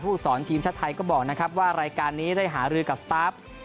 สอนทีมชาติไทยก็บอกนะครับว่ารายการนี้ได้หารือกับสตาฟ